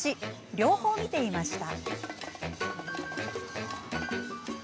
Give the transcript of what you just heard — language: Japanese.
両方を見ていました。